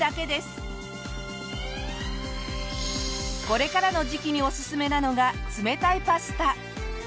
これからの時期におすすめなのが冷たいパスタ。